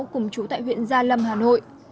cùng chú tại huyện gia lâm hà nội